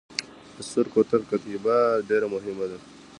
د سور کوتل کتیبه ډیره مهمه ده